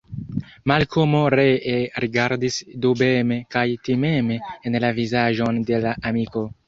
Malkomo ree rigardis dubeme kaj timeme en la vizaĝon de la amiko.